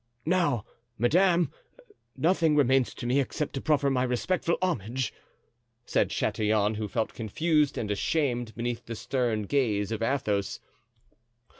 "Now, madame, nothing remains to me except to proffer my respectful homage," said Chatillon, who felt confused and ashamed beneath the stern gaze of Athos.